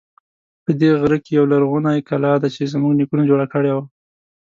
په دې غره کې یوه لرغونی کلا ده چې زمونږ نیکونو جوړه کړی و